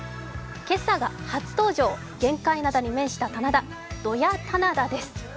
今朝が初登場、玄界灘に面した棚田土谷棚田です。